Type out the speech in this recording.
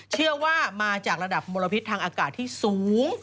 เชื่อว่ามาจากระดับมลพิษทางอากาศที่สูง